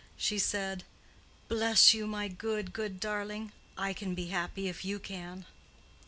She said, "Bless you, my good, good darling! I can be happy, if you can!"